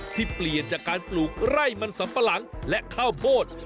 ที่เปลี่ยนจากการปลูกไร่มันสัมปะหลังและข้าวโพด